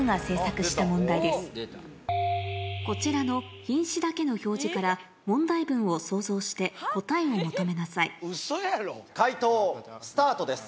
こちらの品詞だけの表示から問題文を想像して答えを求めなさい解答スタートです。